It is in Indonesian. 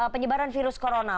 penyebaran virus corona